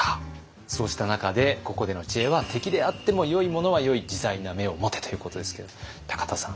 そうした中でここでの知恵は「敵であっても良いものは良い自在な目を持て！」ということですけれども田さん。